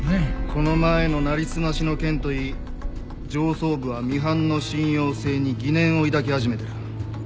この前の成り済ましの件といい上層部はミハンの信用性に疑念を抱き始めてる。